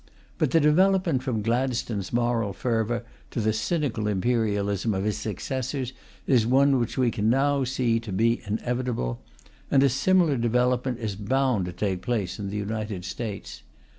But the development from Gladstone's moral fervour to the cynical imperialism of his successors is one which we can now see to be inevitable; and a similar development is bound to take place in the United States.